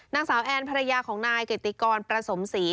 นางสาวแอนภรรยาของนายเกติกรประสมศรี